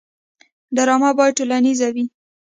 ډرامه باید ټولنیزه وي